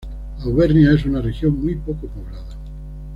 Auvernia es una región muy poco poblada.